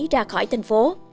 ra khỏi thành phố